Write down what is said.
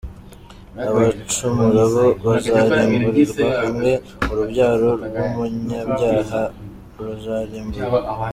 Abacumura bo bazarimburirwa hamwe, Urubyaro rw’umunyabyaha ruzarimburwa.